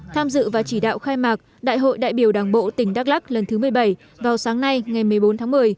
tham dự và chỉ đạo khai mạc đại hội đại biểu đảng bộ tỉnh đắk lắc lần thứ một mươi bảy vào sáng nay ngày một mươi bốn tháng một mươi